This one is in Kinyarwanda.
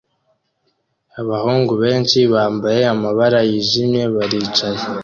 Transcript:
Abahungu benshi bambaye amabara yijimye baricaye